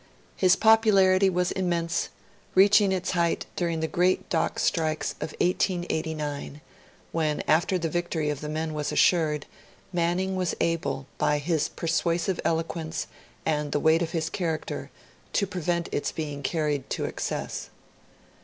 His popularity was immense, reaching its height during the great Dock Strikes of 1889, when, after the victory of the men was assured, Manning was able, by his persuasive eloquence and the weight of his character, to prevent its being carried to excess.